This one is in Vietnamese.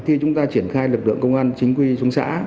khi chúng ta triển khai lực lượng công an chính quy xuống xã